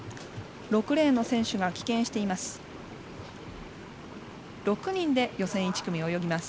６レーンの選手が棄権しています。